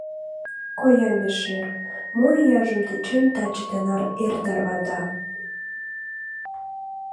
— Коя мешер, мо ияжым тӧчен, таче тынар эр тарвата!